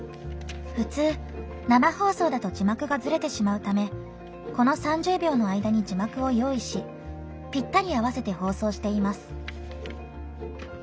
普通、生放送だと字幕がずれてしまうためこの３０秒の間に、字幕を用意しぴったり合わせて放送しています。